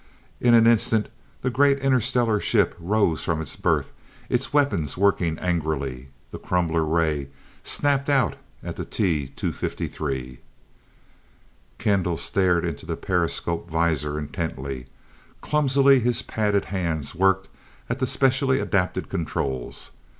In an instant the great interstellar ship rose from its berth, its weapons working angrily. The crumbler ray snapped out at the T 253. Kendall stared into the periscope visor intently. Clumsily his padded hands worked at the specially adapted controls.